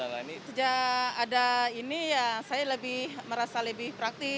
sejak ada ini ya saya lebih merasa lebih praktis